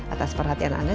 atas perhatian anda